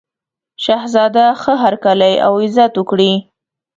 شهزاده ښه هرکلی او عزت وکړي.